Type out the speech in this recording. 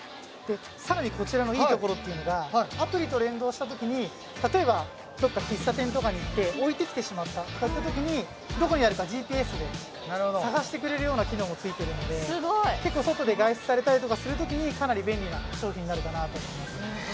さらにこちらのいいところっていうのがアプリと連動したときに例えばどこか喫茶店とかに行って置いてきてしまったとかいったときにような機能も付いているので結構外で外出されたりとかするときにかなり便利な商品になるかなと思います